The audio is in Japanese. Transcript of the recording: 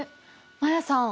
マヤさん